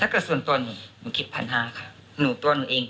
ถ้าเป็นส่วนตัวหนึ่งคิดผันห้าหนูตัวหนูเอง